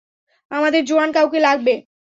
আমাদের জোয়ান কাউকে লাগবে!